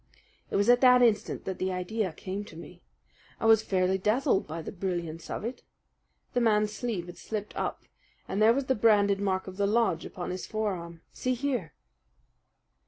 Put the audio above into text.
"It was at that instant that the idea came to me. I was fairly dazzled by the brilliance of it. The man's sleeve had slipped up and there was the branded mark of the lodge upon his forearm. See here!"